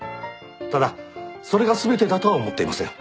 ただそれが全てだとは思っていません。